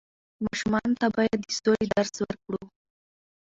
ماشومانو ته بايد د سولې درس ورکړو.